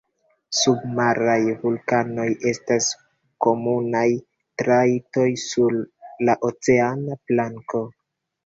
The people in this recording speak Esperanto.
Submaraj vulkanoj estas komunaj trajtoj sur la oceana planko.